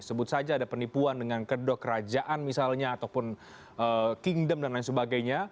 sebut saja ada penipuan dengan kedok kerajaan misalnya ataupun kingdom dan lain sebagainya